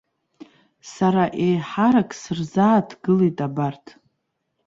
Сара еиҳарак сырзааҭгылеит абарҭ.